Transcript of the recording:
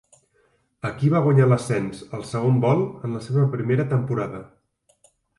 Aquí va guanyar l'ascens al segon vol en la seva primera temporada.